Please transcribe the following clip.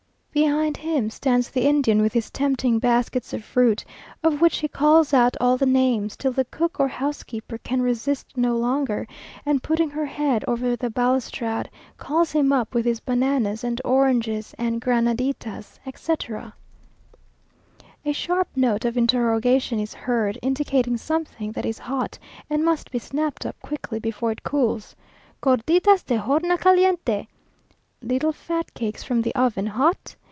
Behind him stands the Indian with his tempting baskets of fruit, of which he calls out all the names, till the cook or housekeeper can resist no longer, and putting her head over the balustrade, calls him up with his bananas, and oranges, and granaditas, etc. A sharp note of interrogation is heard, indicating something that is hot, and must be snapped up quickly before it cools. "Gorditas de horna caliente?" "Little fat cakes from the oven, hot?"